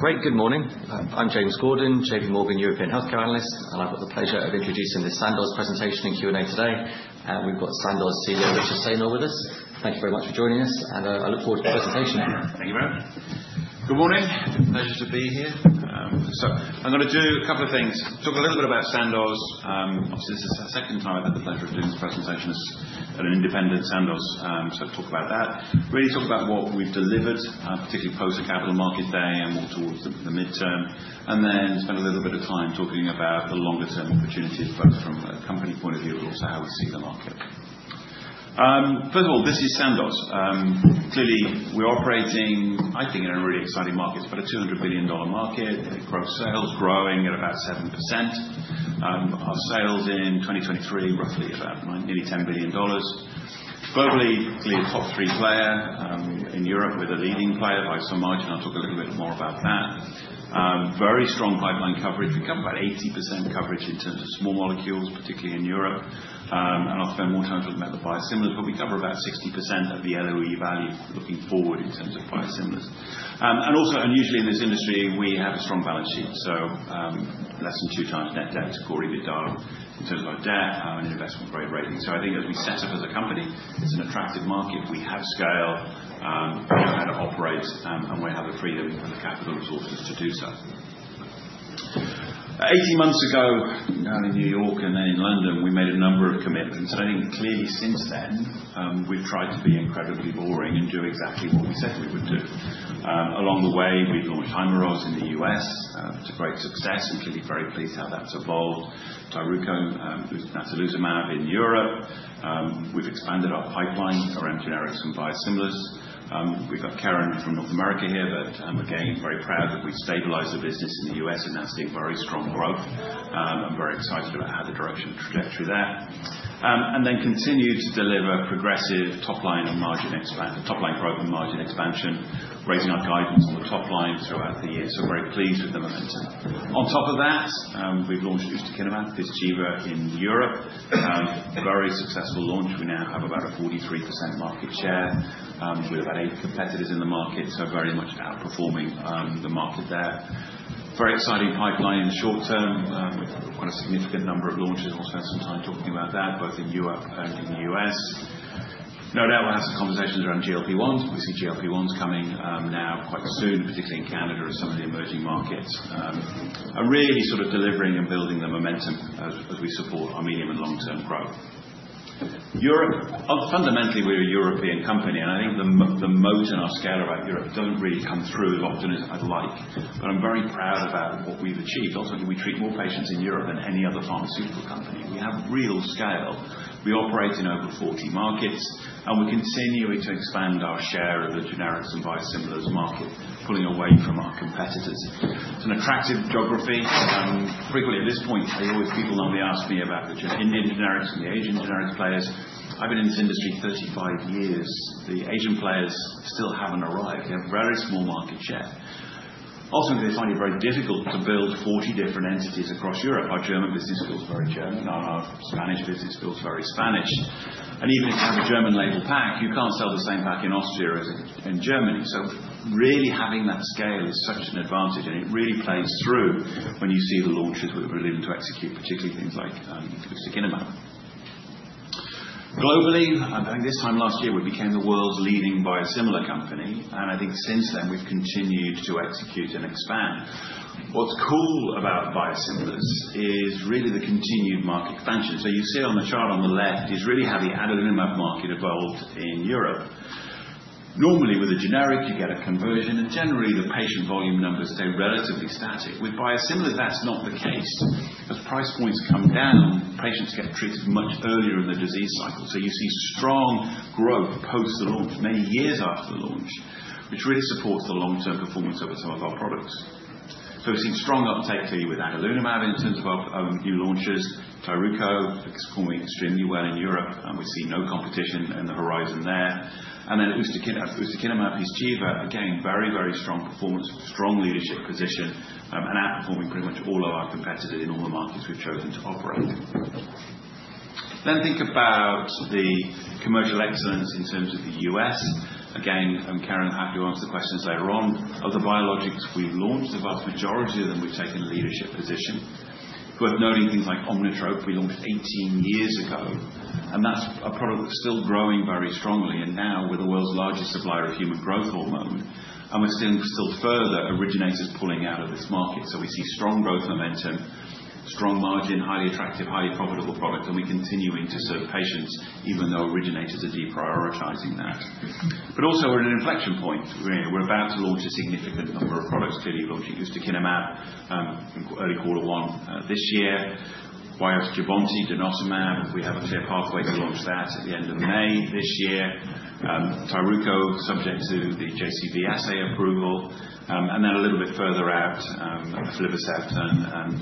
Great. Good morning. I'm James Gordon, J.P. Morgan European Healthcare Analyst, and I've got the pleasure of introducing the Sandoz presentation and Q&A today. We've got Sandoz CEO Richard Saynor with us. Thank you very much for joining us, and I look forward to the presentation. Thank you very much. Good morning. Pleasure to be here. So I'm going to do a couple of things. Talk a little bit about Sandoz. Obviously, this is the second time I've had the pleasure of doing this presentation at an independent Sandoz. So talk about that. Really talk about what we've delivered, particularly post the Capital Markets Day and towards the midterm, and then spend a little bit of time talking about the longer-term opportunities, both from a company point of view, but also how we see the market. First of all, this is Sandoz. Clearly, we're operating, I think, in a really exciting market. It's about a $200 billion market. Gross sales growing at about 7%. Our sales in 2023, roughly about nearly $10 billion. Globally, clearly a top three player. In Europe, we're the leading player by some margin. I'll talk a little bit more about that. Very strong pipeline coverage. We cover about 80% coverage in terms of small molecules, particularly in Europe. I'll spend more time talking about the biosimilars, but we cover about 60% of the LOE value looking forward in terms of biosimilars. Also, unusually in this industry, we have a strong balance sheet. Less than two times net debt to core EBITDA in terms of our debt, our investment-grade rating. I think as we set up as a company, it's an attractive market. We have scale, we know how to operate, and we have the freedom and the capital resources to do so. 18 months ago, in New York and then in London, we made a number of commitments. I think clearly since then, we've tried to be incredibly boring and do exactly what we said we would do. Along the way, we've launched Hyrimoz in the U.S. It's a great success. I'm clearly very pleased how that's evolved. Tyruko, which is now Natalizumab in Europe. We've expanded our pipeline around generics and biosimilars. We've got Karen from North America here, but again, very proud that we've stabilized the business in the U.S. and now seeing very strong growth. I'm very excited about how the direction and trajectory there, and then continue to deliver progressive top-line and margin growth and margin expansion, raising our guidance on the top line throughout the year. So very pleased with the momentum. On top of that, we've launched Ustekinumab, Pyzchiva in Europe. Very successful launch. We now have about a 43% market share with about eight competitors in the market, so very much outperforming the market there. Very exciting pipeline in the short term. We've got a significant number of launches. I'll spend some time talking about that, both in Europe and in the U.S. No doubt we'll have some conversations around GLP-1s. We see GLP-1s coming now quite soon, particularly in Canada and some of the emerging markets and really sort of delivering and building the momentum as we support our medium and long-term growth. Europe, fundamentally, we're a European company, and I think the moat and our scale about Europe don't really come through as often as I'd like, but I'm very proud about what we've achieved. Ultimately, we treat more patients in Europe than any other pharmaceutical company. We have real scale. We operate in over 40 markets, and we're continuing to expand our share of the generics and biosimilars market, pulling away from our competitors. It's an attractive geography. Frequently at this point, I hear people normally ask me about the Indian generics and the Asian generics players. I've been in this industry 35 years. The Asian players still haven't arrived. They have very small market share. Ultimately, they find it very difficult to build 40 different entities across Europe. Our German business feels very German. Our Spanish business feels very Spanish. And even if you have a German label pack, you can't sell the same pack in Austria as in Germany. So really having that scale is such an advantage, and it really plays through when you see the launches we're willing to execute, particularly things like Ustekinumab. Globally, I think this time last year we became the world's leading biosimilar company, and I think since then we've continued to execute and expand. What's cool about biosimilars is really the continued market expansion. So you see on the chart on the left is really how the Adalimumab market evolved in Europe. Normally, with a generic, you get a conversion, and generally the patient volume numbers stay relatively static. With biosimilars, that's not the case. As price points come down, patients get treated much earlier in the disease cycle. So you see strong growth post the launch, many years after the launch, which really supports the long-term performance of some of our products. So we've seen strong uptake clearly with Adalimumab in terms of our new launches. Tyruko is performing extremely well in Europe, and we see no competition in the horizon there. And then Ustekinumab, Pyzchiva, again, very, very strong performance, strong leadership position, and outperforming pretty much all of our competitors in all the markets we've chosen to operate. Then think about the commercial excellence in terms of the U.S. Again, Karen will have to answer the questions later on. Of the biologics we've launched, the vast majority of them we've taken a leadership position. Worth noting things like Omnitrope, we launched 18 years ago, and that's a product that's still growing very strongly. Now we're the world's largest supplier of human growth hormone, and we're still seeing originators pulling out of this market. We see strong growth momentum, strong margins, highly attractive, highly profitable products, and we're continuing to serve patients even though originators are deprioritizing that. We're also at an inflection point. We're about to launch a significant number of products. Clearly, we're launching Ustekinumab early quarter one this year. Jubbonti, Denosumab, we have a clear pathway to launch that at the end of May this year. Tyruko, subject to the JCV assay approval. Then a little bit further out, Aflibercept and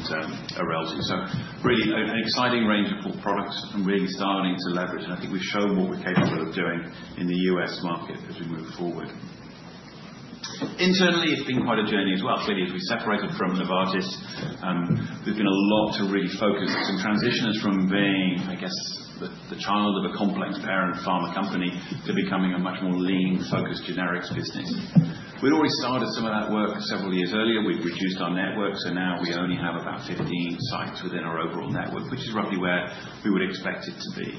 Erelzi. So really an exciting range of products and really starting to leverage. And I think we've shown what we're capable of doing in the U.S. market as we move forward. Internally, it's been quite a journey as well. Clearly, as we separated from Novartis, there's been a lot to really focus on. It's been transitioning us from being, I guess, the child of a complex parent pharma company to becoming a much more lean-focused generics business. We'd already started some of that work several years earlier. We've reduced our network, so now we only have about 15 sites within our overall network, which is roughly where we would expect it to be.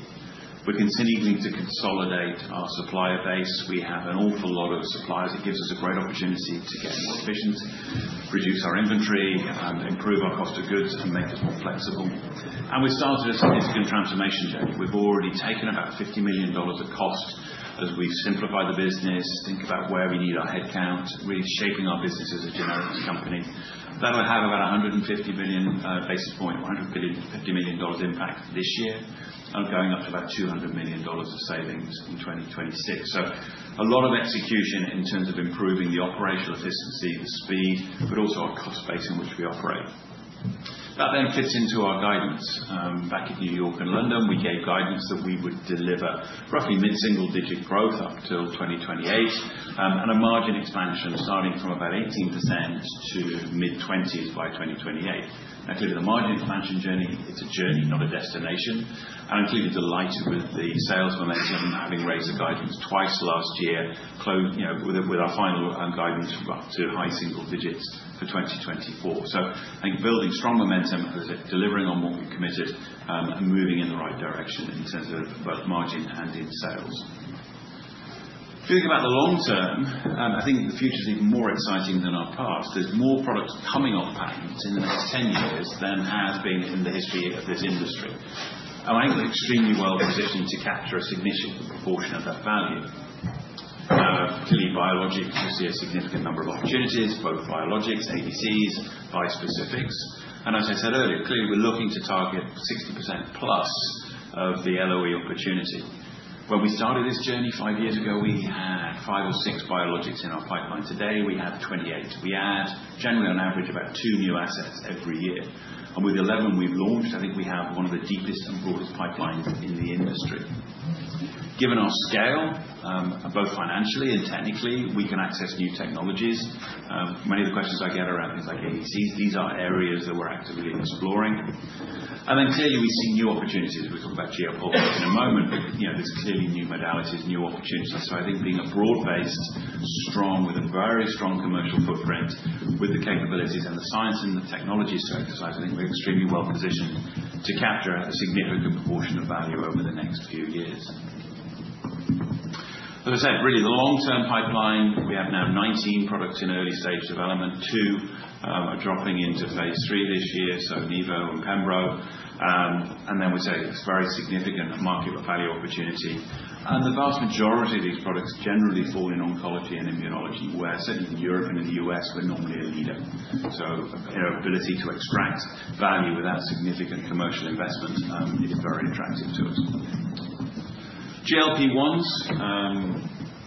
We're continuing to consolidate our supplier base. We have an awful lot of suppliers. It gives us a great opportunity to get more efficient, reduce our inventory, improve our cost of goods, and make us more flexible. We've started a significant transformation journey. We've already taken about $50 million of cost as we've simplified the business, think about where we need our headcount, really shaping our business as a generics company. That'll have about a $150 million basis point, $150 million impact this year, and going up to about $200 million of savings in 2026. So a lot of execution in terms of improving the operational efficiency, the speed, but also our cost base in which we operate. That then fits into our guidance. Back in New York and London, we gave guidance that we would deliver roughly mid-single-digit growth up till 2028 and a margin expansion starting from about 18% to mid-20s% by 2028. Now, clearly, the margin expansion journey, it's a journey, not a destination. And I'm clearly delighted with the sales momentum having raised the guidance twice last year with our final guidance up to high single digits for 2024. So I think building strong momentum, delivering on what we've committed, and moving in the right direction in terms of both margin and in sales. If you think about the long term, I think the future is even more exciting than our past. There's more products coming off patents in the next 10 years than has been in the history of this industry. And I think we're extremely well positioned to capture a significant proportion of that value. Clearly, biologics, you see a significant number of opportunities, both biologics, ADCs, bispecifics. And as I said earlier, clearly we're looking to target 60% plus of the LOE opportunity. When we started this journey five years ago, we had five or six biologics in our pipeline. Today, we have 28. We add, generally on average, about two new assets every year, and with 11 we've launched, I think we have one of the deepest and broadest pipelines in the industry. Given our scale, both financially and technically, we can access new technologies. Many of the questions I get around things like ADCs, these are areas that we're actively exploring, and then clearly we see new opportunities. We'll talk about geopolitics in a moment, but there's clearly new modalities, new opportunities. I think being a broad-based, strong, with a very strong commercial footprint, with the capabilities and the science and the technology to exercise, we're extremely well positioned to capture a significant proportion of value over the next few years. As I said, really the long-term pipeline, we have now 19 products in early stage development. Two are dropping into phase three this year, so Nivo and Pembro. And then we say it's very significant market value opportunity. And the vast majority of these products generally fall in oncology and immunology, where certainly in Europe and in the U.S., we're normally a leader. So our ability to extract value without significant commercial investment is very attractive to us. GLP-1s,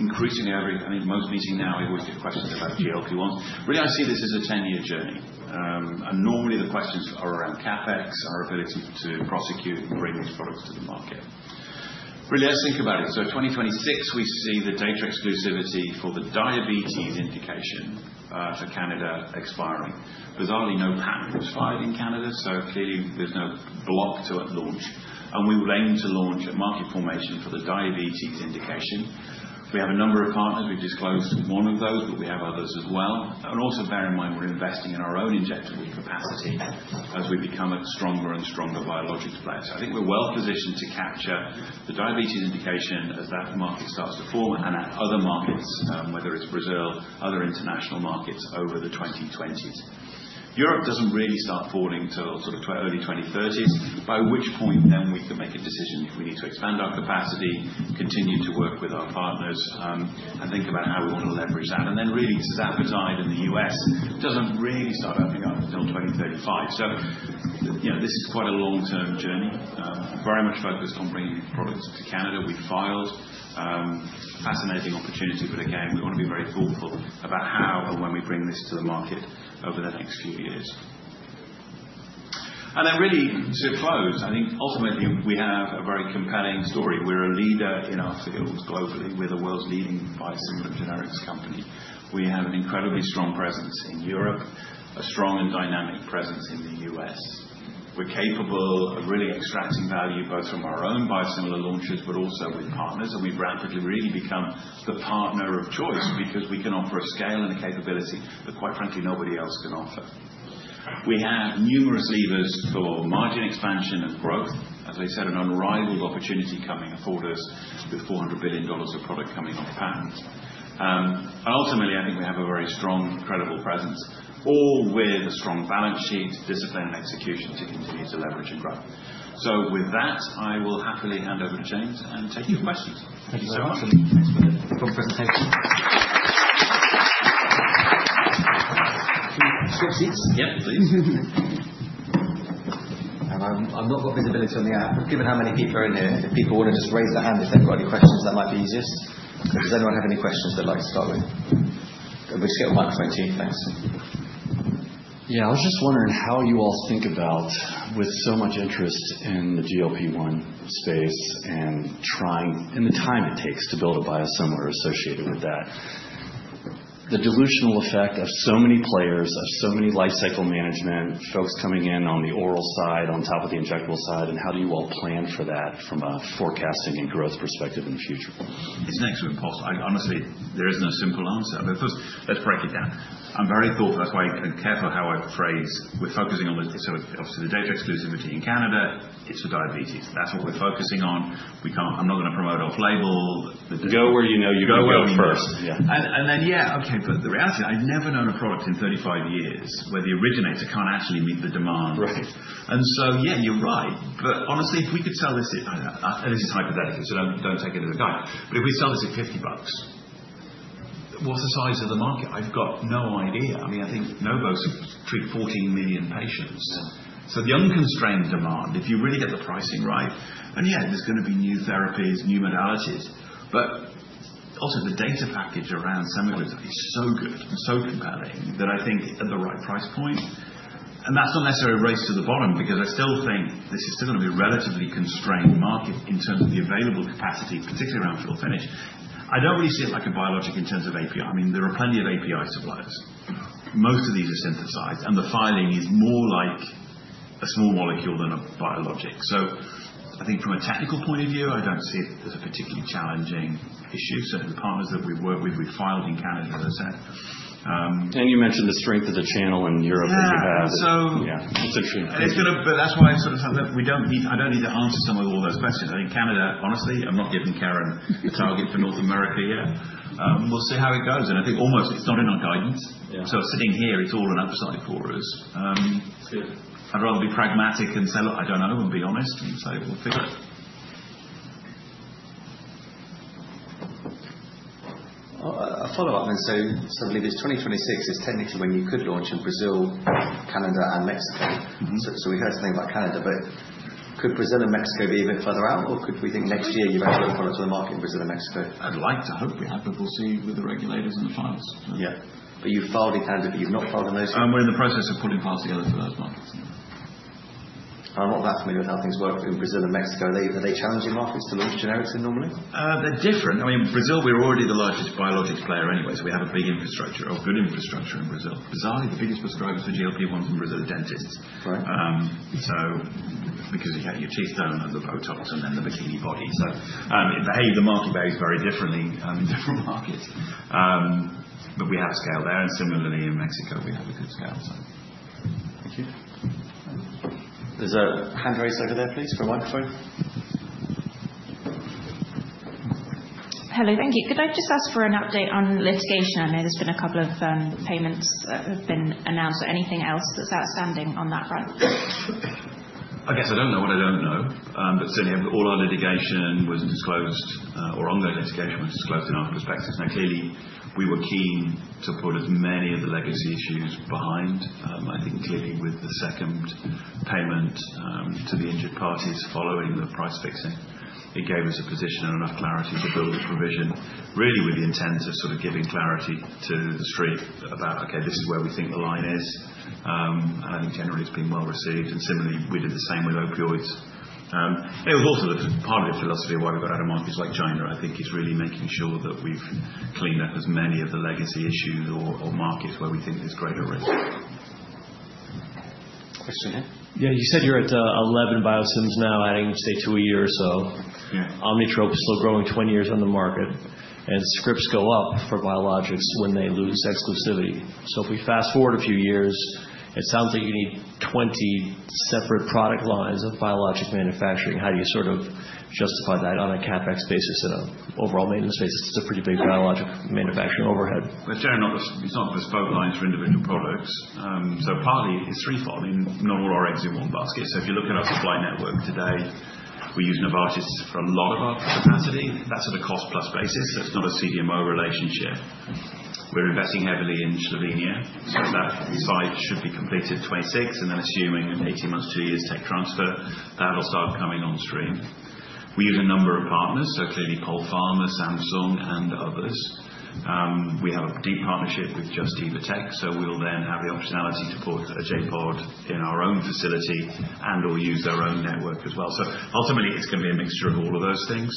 increasingly every, I think most meeting now, we always get questions about GLP-1s. Really, I see this as a 10-year journey. And normally the questions are around CapEx, our ability to prosecute and bring these products to the market. Really, let's think about it. So 2026, we see the data exclusivity for the diabetes indication for Canada expiring. Bizarrely, no patent was filed in Canada, so clearly there's no block to its launch. And we will aim to launch a market formation for the diabetes indication. We have a number of partners. We've disclosed one of those, but we have others as well, and also bear in mind we're investing in our own injectable capacity as we become a stronger and stronger biologics player, so I think we're well positioned to capture the diabetes indication as that market starts to form and in other markets, whether it's Brazil, other international markets over the 2020s. Europe doesn't really start falling till sort of early 2030s, by which point then we can make a decision if we need to expand our capacity, continue to work with our partners, and think about how we want to leverage that, and then really, the appetite in the U.S. doesn't really start opening up until 2035, so this is quite a long-term journey. Very much focused on bringing products to Canada. We filed. Fascinating opportunity, but again, we want to be very thoughtful about how and when we bring this to the market over the next few years. And then really, to close, I think ultimately we have a very compelling story. We're a leader in our field globally. We're the world's leading biosimilar generics company. We have an incredibly strong presence in Europe, a strong and dynamic presence in the U.S. We're capable of really extracting value both from our own biosimilar launches, but also with partners. And we've rapidly really become the partner of choice because we can offer a scale and a capability that quite frankly nobody else can offer. We have numerous levers for margin expansion and growth. As I said, an unrivaled opportunity coming before us with $400 billion of product coming off patent. Ultimately, I think we have a very strong, credible presence, all with a strong balance sheet, discipline, and execution to continue to leverage and grow. With that, I will happily hand over to James and take your questions. Thank you so much. Thanks for the full presentation. Can we swap seats? Yeah, please. I've not got visibility on the app, but given how many people are in here, if people want to just raise their hand if they've got any questions, that might be easiest. Does anyone have any questions they'd like to start with? We'll just get a microphone to you, thanks. Yeah, I was just wondering how you all think about, with so much interest in the GLP-1 space and trying and the time it takes to build a biosimilar associated with that, the dilutional effect of so many players, of so many life cycle management folks coming in on the oral side, on top of the injectable side, and how do you all plan for that from a forecasting and growth perspective in the future? It's an excellent post. Honestly, there is no simple answer. But first, let's break it down. I'm very thoughtful. That's why I'm careful how I phrase. We're focusing on the, so obviously the data exclusivity in Canada, it's for diabetes. That's what we're focusing on. I'm not going to promote off-label. Go where you know you can go first. Go where you know you can go first. And then, yeah, okay, but the reality is I've never known a product in 35 years where the originator can't actually meet the demand. And so, yeah, you're right. But honestly, if we could sell this at, and this is hypothetical, so don't take it as a guide, but if we sell this at $50, what's the size of the market? I've got no idea. I mean, I think Novo should treat 14 million patients. So the unconstrained demand, if you really get the pricing right, and yeah, there's going to be new therapies, new modalities. But also the data package around Semaglutide is so good and so compelling that I think at the right price point. That's not necessarily a race to the bottom because I still think this is still going to be a relatively constrained market in terms of the available capacity, particularly around fill-finish. I don't really see it like a biologic in terms of API. I mean, there are plenty of API suppliers. Most of these are synthesized, and the filing is more like a small molecule than a biologic. So I think from a technical point of view, I don't see it as a particularly challenging issue. Certainly the partners that we've worked with, we filed in Canada, as I said. You mentioned the strength of the channel in Europe that you have. Yeah, so. That's interesting. And it's going to, but that's why I sort of said that we don't need to. I don't need to answer some of all those questions. I think Canada, honestly. I'm not giving Karen a target for North America yet. We'll see how it goes. And I think almost it's not in our guidance. So sitting here, it's all an upside for us. I'd rather be pragmatic and say, "Look, I don't know," and be honest and say, "We'll figure it. A follow-up. And so suddenly this 2026 is technically when you could launch in Brazil, Canada, and Mexico. So we heard something about Canada, but could Brazil and Mexico be a bit further out, or could we think next year you've actually got products on the market in Brazil and Mexico? I'd like to hope we have. But we'll see with the regulators and the files. Yeah, but you filed in Canada, but you've not filed in those two? We're in the process of pulling files together for those markets. I'm not that familiar with how things work in Brazil and Mexico. Are they challenging markets to launch generics in normally? They're different. I mean, Brazil, we're already the largest biologics player anyway, so we have a big infrastructure or good infrastructure in Brazil. Bizarrely, the biggest prescribers for GLP-1s in Brazil are dentists. So because you get your teeth done and the Botox and then the bikini body. So the market behaves very differently in different markets. But we have scale there. And similarly, in Mexico, we have a good scale, so. Thank you. There's a hand raised over there, please, for a microphone. Hello, thank you. Could I just ask for an update on litigation? I know there's been a couple of payments that have been announced. Anything else that's outstanding on that front? I guess I don't know what I don't know, but certainly all our litigation wasn't disclosed, or ongoing litigation was disclosed in our prospectus. Now, clearly, we were keen to put as many of the legacy issues behind. I think clearly with the second payment to the injured parties following the price fixing, it gave us a position and enough clarity to build a provision really with the intent of sort of giving clarity to the street about, "Okay, this is where we think the line is," and I think generally it's been well received. Similarly, we did the same with opioids. It was also part of the philosophy of why we got out of markets like China. I think it's really making sure that we've cleaned up as many of the legacy issues or markets where we think there's greater risk. Question here? Yeah, you said you're at 11 biosims now, adding, say, two a year or so. Omnitrope is still growing 20 years on the market, and scripts go up for biologics when they lose exclusivity. So if we fast forward a few years, it sounds like you need 20 separate product lines of biologic manufacturing. How do you sort of justify that on a CapEx basis and an overall maintenance basis? It's a pretty big biologic manufacturing overhead. But generally, it's not bespoke lines for individual products. So partly it's threefold. I mean, not all our eggs in one basket. So if you look at our supply network today, we use Novartis for a lot of our capacity. That's at a cost-plus basis. So it's not a CDMO relationship. We're investing heavily in Slovenia. So that site should be completed 2026, and then assuming in 18 months, two years tech transfer, that'll start coming on stream. We use a number of partners, so clearly Polpharma, Samsung, and others. We have a deep partnership with Just Evotec, so we'll then have the optionality to put a JPOD in our own facility and/or use their own network as well. So ultimately, it's going to be a mixture of all of those things.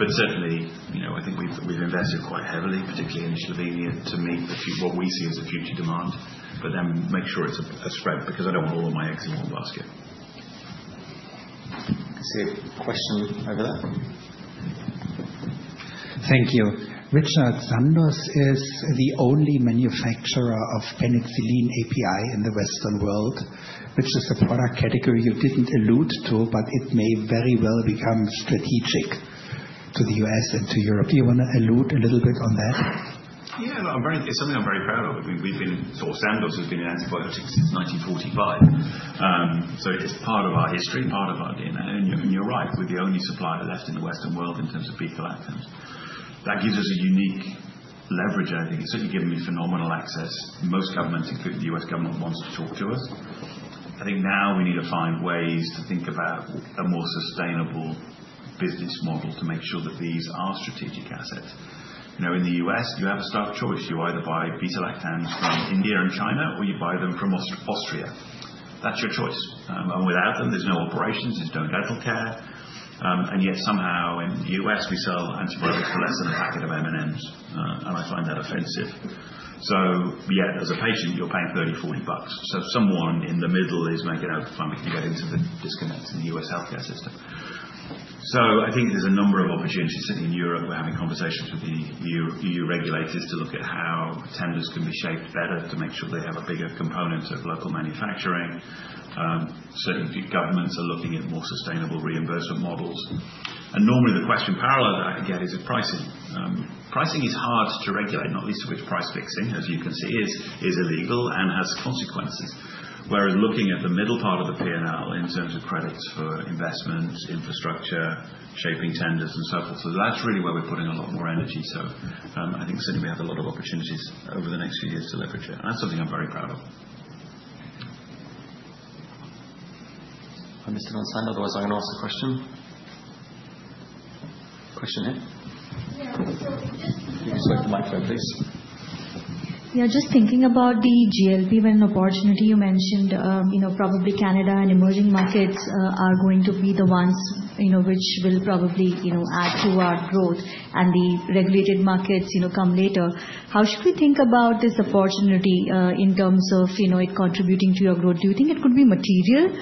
But certainly, I think we've invested quite heavily, particularly in Slovenia, to meet what we see as a future demand, but then make sure it's a spread because I don't want all of my eggs in one basket. I see a question over there. Thank you. Richard Saynor is the only manufacturer of penicillin API in the Western world, which is a product category you didn't allude to, but it may very well become strategic to the U.S. and to Europe. Do you want to allude a little bit on that? Yeah, no, it's something I'm very proud of. Sandoz has been in antibiotics since 1945. So it's part of our history, part of our DNA. And you're right, we're the only supplier left in the Western world in terms of beta-lactams. That gives us a unique leverage, I think. It's certainly given me phenomenal access. Most governments, including the U.S. government, want to talk to us. I think now we need to find ways to think about a more sustainable business model to make sure that these are strategic assets. In the U.S., you have a stark choice. You either buy beta-lactams from India and China, or you buy them from Austria. That's your choice. And without them, there's no operations, there's no dental care. And yet somehow in the U.S., we sell antibiotics for less than a packet of M&Ms. And I find that offensive. So yeah, as a patient, you're paying $30-$40 bucks. So someone in the middle is making out. To find we can get into the disconnects in the U.S. healthcare system. So I think there's a number of opportunities. Certainly in Europe, we're having conversations with the E.U. regulators to look at how tenders can be shaped better to make sure they have a bigger component of local manufacturing. Certainly governments are looking at more sustainable reimbursement models. And normally the parallel question that I get is pricing. Pricing is hard to regulate, not least of which price fixing, as you can see, is illegal and has consequences. Whereas looking at the middle part of the P&L in terms of credits for investment, infrastructure, shaping tenders, and so forth. So that's really where we're putting a lot more energy. So I think certainly we have a lot of opportunities over the next few years to leverage it. And that's something I'm very proud of. I'm Mr. Sandoz. Otherwise, I'm going to ask the question. Question here? Yeah, so just. You can switch to the microphone, please. Yeah, just thinking about the GLP-1 opportunity you mentioned, probably Canada and emerging markets are going to be the ones which will probably add to our growth, and the regulated markets come later. How should we think about this opportunity in terms of it contributing to your growth? Do you think it could be material,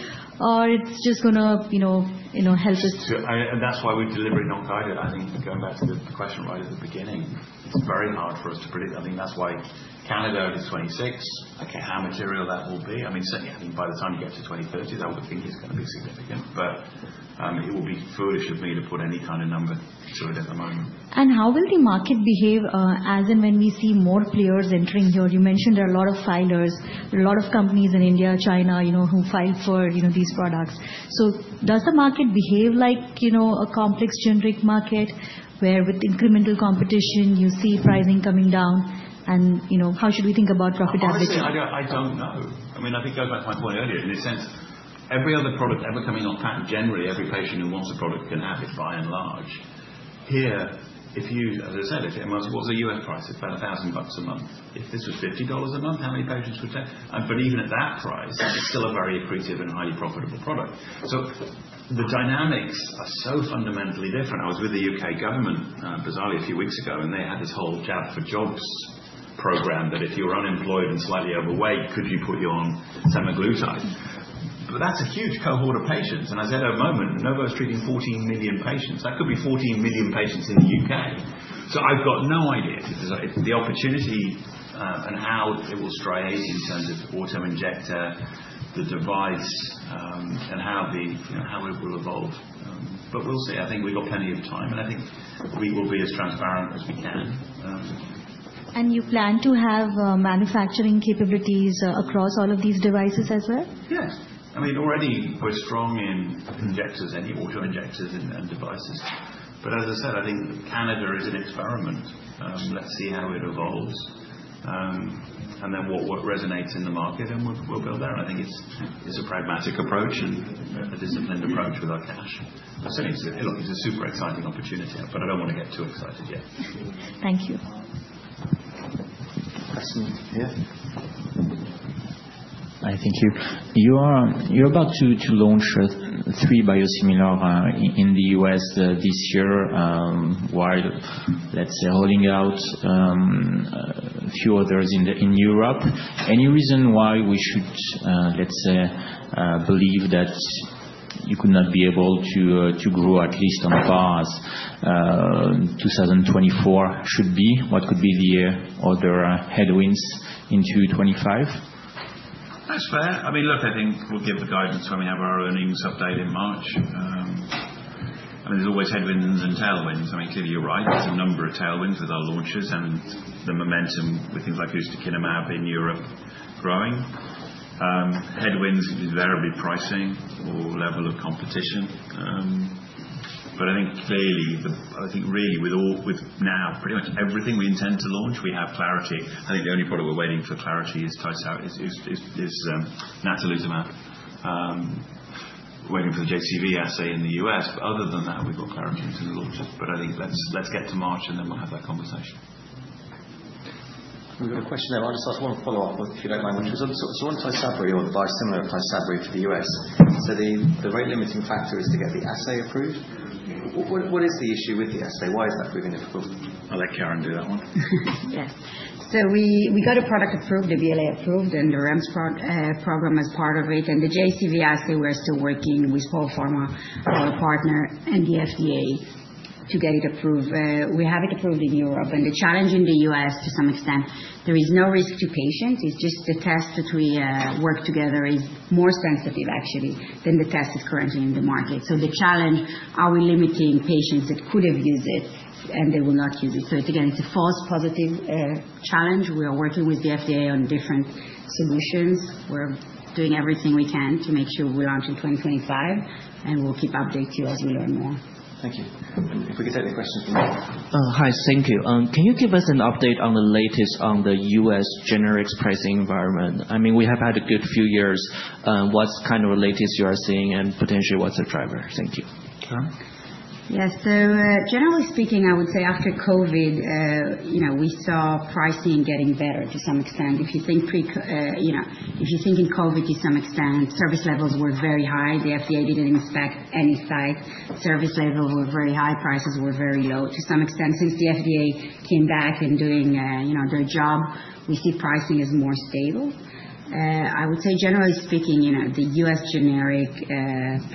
or it's just going to help us? That's why we've deliberately not guided it. I think going back to the question right at the beginning, it's very hard for us to predict. I think that's why Canada is 2026, okay, how material that will be. I mean, certainly, I think by the time you get to 2030, I would think it's going to be significant. But it would be foolish of me to put any kind of number to it at the moment. And how will the market behave as and when we see more players entering here? You mentioned there are a lot of filers. There are a lot of companies in India, China, who file for these products. So does the market behave like a complex generic market where with incremental competition, you see pricing coming down? And how should we think about profitability? I don't know. I mean, I think it goes back to my point earlier. In a sense, every other product ever coming off patent, generally every patient who wants a product can have it by and large. Here, as I said, if it amounts to, what was the U.S. price? It's about $1,000 a month. If this was $50 a month, how many patients would take? But even at that price, it's still a very accretive and highly profitable product. So the dynamics are so fundamentally different. I was with the U.K. government bizarrely a few weeks ago, and they had this whole Jabs for Jobs program that if you were unemployed and slightly overweight, could you put you on Semaglutide? But that's a huge cohort of patients. And I said at the moment, Novo is treating 14 million patients. That could be 14 million patients in the U.K. I've got no idea. The opportunity and how it will stratify in terms of the auto injector, the device, and how it will evolve. We'll see. I think we've got plenty of time, and I think we will be as transparent as we can. You plan to have manufacturing capabilities across all of these devices as well? Yes. I mean, already we're strong in injectors, any auto injectors and devices, but as I said, I think Canada is an experiment. Let's see how it evolves, and then what resonates in the market, and we'll build that. I think it's a pragmatic approach and a disciplined approach with our cash, but certainly, look, it's a super exciting opportunity, but I don't want to get too excited yet. Thank you. Question here? Hi, thank you. You're about to launch three biosimilars in the U.S. this year, while, let's say, holding out a few others in Europe. Any reason why we should, let's say, believe that you could not be able to grow at least on par as 2024 should be? What could be the other headwinds into 2025? That's fair. I mean, look, I think we'll give the guidance when we have our earnings update in March. I mean, there's always headwinds and tailwinds. I mean, clearly you're right. There's a number of tailwinds with our launches and the momentum with things like ustekinumab and adalimumab in Europe growing. Headwinds invariably pricing or level of competition. But I think clearly, I think really with now pretty much everything we intend to launch, we have clarity. I think the only product we're waiting for clarity is Natalizumab, waiting for the JCV assay in the U.S. But other than that, we've got clarity into the launches. But I think let's get to March, and then we'll have that conversation. We've got a question there. I'll just ask one follow-up, if you don't mind, Richard. So on Tysabri, or the biosimilar of Tysabri for the U.S., so the rate-limiting factor is to get the assay approved. What is the issue with the assay? Why is that proving difficult? I'll let Karen do that one. Yes. So we got a product approved, the BLA approved, and the REMS program as part of it. And the JCV assay, we're still working with Polpharma, our partner, and the FDA to get it approved. We have it approved in Europe. And the challenge in the U.S., to some extent, there is no risk to patients. It's just the test that we work together is more sensitive, actually, than the test is currently in the market. So the challenge, are we limiting patients that could have used it, and they will not use it? So it's again, it's a false positive challenge. We are working with the FDA on different solutions. We're doing everything we can to make sure we launch in 2025, and we'll keep updating you as we learn more. Thank you. If we could take the question from there. Hi, thank you. Can you give us an update on the latest on the U.S. generics pricing environment? I mean, we have had a good few years. What's kind of the latest you are seeing, and potentially what's the driver? Thank you. Yes. So generally speaking, I would say after COVID, we saw pricing getting better to some extent. If you think in COVID to some extent, service levels were very high. The FDA didn't inspect any site. Service levels were very high. Prices were very low to some extent. Since the FDA came back and doing their job, we see pricing is more stable. I would say, generally speaking, the U.S. generic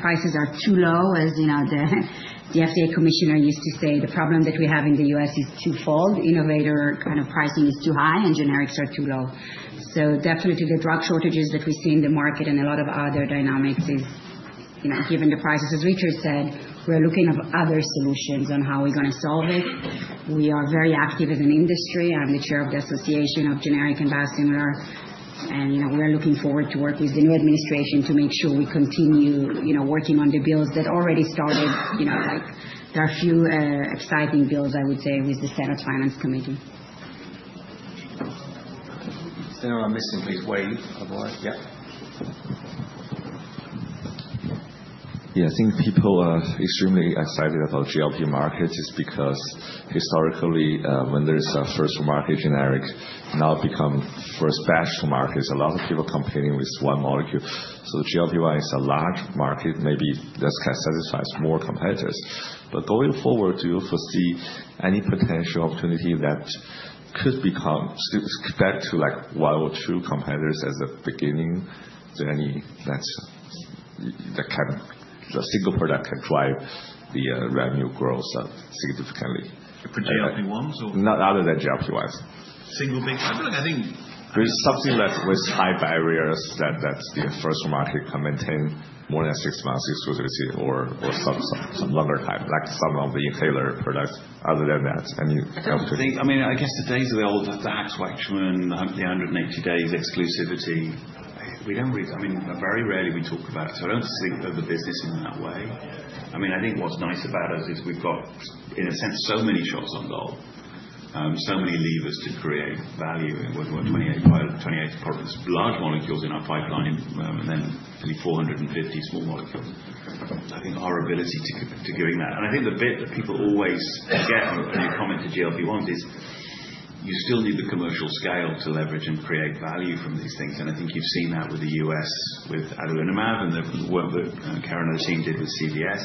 prices are too low, as the FDA commissioner used to say. The problem that we have in the U.S. is twofold. Innovator kind of pricing is too high, and generics are too low. So definitely the drug shortages that we see in the market and a lot of other dynamics is given the prices, as Richard said, we're looking at other solutions on how we're going to solve it. We are very active as an industry. I'm the Chair of the Association for Accessible Medicines. And we're looking forward to work with the new administration to make sure we continue working on the bills that already started. There are a few exciting bills, I would say, with the Senate Finance Committee. Sandoz, I'm missing this wave. Otherwise, yeah. Yeah, I think people are extremely excited about GLP markets is because historically, when there's a first-for-market generic, now it becomes first-best-for-market. A lot of people are competing with one molecule. So the GLP-1 is a large market. Maybe that satisfies more competitors. But going forward, do you foresee any potential opportunity that could become back to one or two competitors as a beginning? Is there any that can a single product can drive the revenue growth significantly? For GLP-1s or? Not other than GLP-1s. Single big product, I think. There's something with high barriers that the first-for-market can maintain more than six months exclusivity or some longer time, like some of the inhaler products. Other than that, any? I don't think so. I mean, I guess the days are old. The Hatch-Waxman, the 180 days exclusivity. We don't really, I mean, very rarely we talk about it. So I don't think of the business in that way. I mean, I think what's nice about us is we've got, in a sense, so many shots on goal, so many levers to create value in 28 large molecules in our pipeline and then only 450 small molecules. I think our ability to gain that, and I think the bit that people always forget when you comment to GLP-1s is you still need the commercial scale to leverage and create value from these things. And I think you've seen that with the U.S. with Adalimumab and the work that Karen and her team did with CVS.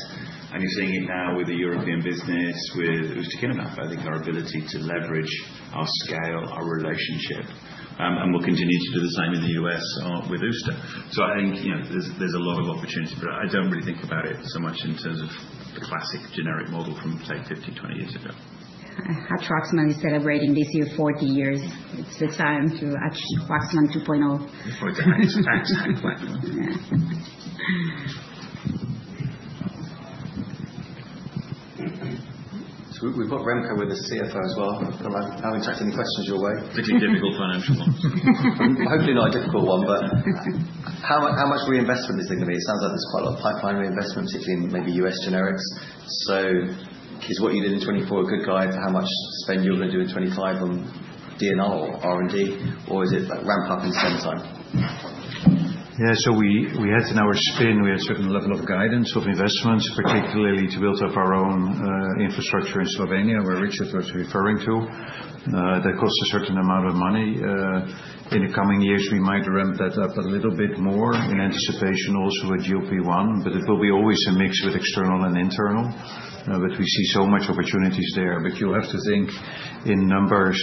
And you're seeing it now with the European business with Ustekinumab and adalimumab. I think our ability to leverage our scale, our relationship, and we'll continue to do the same in the U.S. with Hyrimoz, so I think there's a lot of opportunity, but I don't really think about it so much in terms of the classic generic model from, say, 15, 20 years ago. Hatch-Waxman is celebrating this year 40 years. It's the time to Hatch-Waxman 2.0. We're going to Hatch-Waxman 2.0. Yeah. So we've got Remco with us here as well. I'll be taking any questions your way. Particularly difficult financial ones. Hopefully not a difficult one, but how much reinvestment is there going to be? It sounds like there's quite a lot of pipeline reinvestment, particularly in maybe US generics. So is what you did in 2024 a good guide to how much spend you're going to do in 2025 on DNR or R&D, or is it ramp up in spend time? Yeah, so we had in our spin, we had a certain level of guidance of investments, particularly to build up our own infrastructure in Slovenia, where Richard was referring to. That costs a certain amount of money. In the coming years, we might ramp that up a little bit more in anticipation also with GLP-1, but it will be always a mix with external and internal. But we see so much opportunities there. But you have to think in numbers,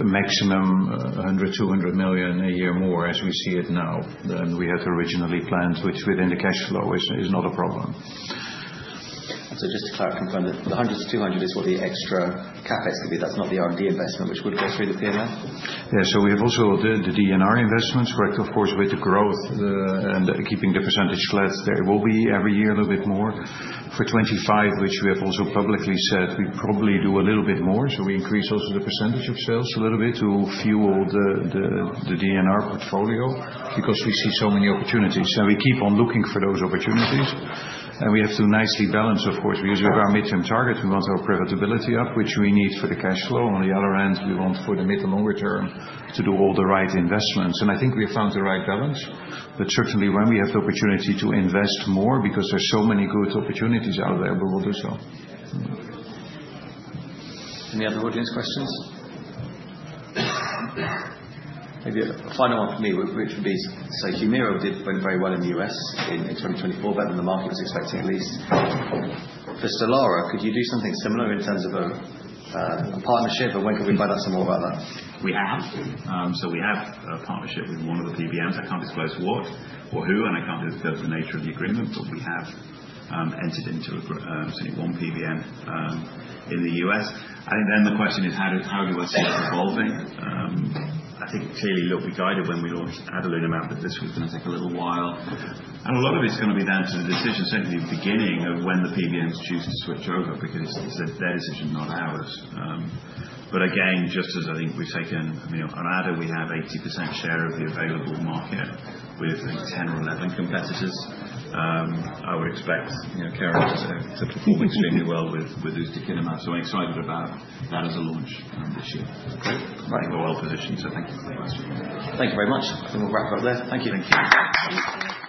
maximum $100-200 million a year more as we see it now than we had originally planned, which within the cash flow is not a problem. Just to clarify, the 100-200 is what the extra CapEx could be. That's not the R&D investment, which would go through the P&L? Yeah, so we have also the DNR investments, correct, of course, with the growth and keeping the percentage slides. There will be every year a little bit more. For 2025, which we have also publicly said, we probably do a little bit more, so we increase also the percentage of sales a little bit to fuel the DNR portfolio because we see so many opportunities, and we keep on looking for those opportunities, and we have to nicely balance, of course, because we have our mid-term target. We want our profitability up, which we need for the cash flow. On the other hand, we want for the mid to longer term to do all the right investments, and I think we have found the right balance, but certainly, when we have the opportunity to invest more, because there's so many good opportunities out there, we will do so. Any other audience questions? Maybe a final one for me, Richard Saynor. So Humira did very well in the U.S. in 2024, better than the market was expecting at least. For Stelara, could you do something similar in terms of a partnership, and when can we find out some more about that? We have. So we have a partnership with one of the PBMs. I can't disclose what or who, and I can't disclose the nature of the agreement, but we have entered into certainly one PBM in the U.S. I think then the question is, how do I see us evolving? I think clearly, look, we guided when we launched Adalimumab that this was going to take a little while. And a lot of it's going to be down to the decision, certainly the beginning of when the PBMs choose to switch over because it's their decision, not ours. But again, just as I think we've taken, I mean, on Ada, we have 80% share of the available market with 10 or 11 competitors. I would expect Karen to perform extremely well with Ustekinumab and Adalimumab. So I'm excited about that as a launch this year. Great. I think we're well positioned, so thank you for the question. Thank you very much. I think we'll wrap up there. Thank you. Thank you.